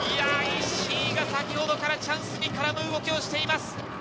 石井が先ほどからチャンスに絡む動きをしています。